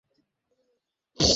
এরিকাই শুধু এখানে আসেনি।